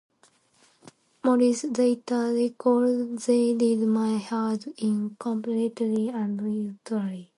Morris later recalled: They did my head in, completely and utterly.